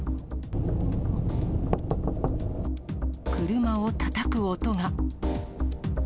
車をたたく音が。